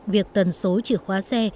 việc tần số chìa khóa xe